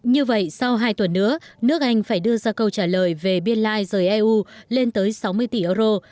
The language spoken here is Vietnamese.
như vậy sau hai tuần nữa nước anh phải đưa ra câu trả lời về biên lai rời eu lên tới sáu mươi tỷ euro